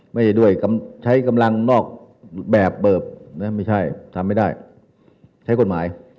ไม่ได้ด้วยใช้กำลังนอกแบบเบิบนะไม่ใช่ทำไม่ได้ใช้กฎหมาย